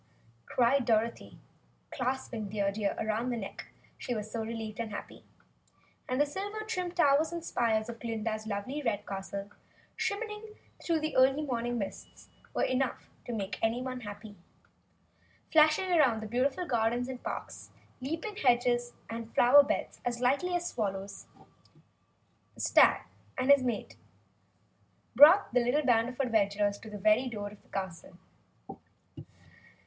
cried Dorothy, clasping Dear Deer around the neck she was so relieved and happy. And the silver trimmed towers and spires of Glinda's lovely, red castle, shimmering through the early morning mists, were enough to make anyone happy. Flashing through the beautiful gardens and parks, leaping hedges and flower beds as lightly as swallows, the stag and his mate brought the little band of adventurers to the very door of the castle.